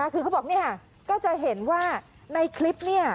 คือเขาบอกก็จะเห็นว่าในคลิปนี้